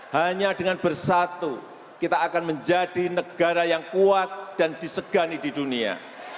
hanya dengan bersatu kita akan menjadi negara yang kuat dan disegani di dunia